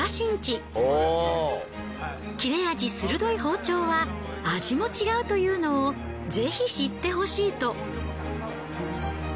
切れ味鋭い包丁は味も違うというのをぜひ知ってほしいと。